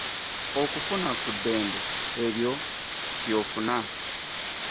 Okufuna ku ddembe ebyo by’ofuna.